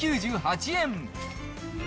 ２９８円。